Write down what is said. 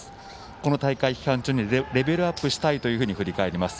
この大会期間中にレベルアップしたいと振り返ります。